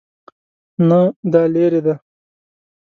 نه، دا لیرې دی